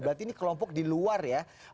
berarti ini kelompok di luar ya